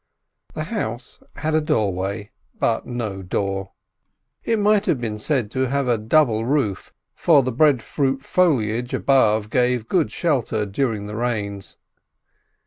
The house had a doorway, but no door. It might have been said to have a double roof, for the breadfruit foliage above gave good shelter during the rains.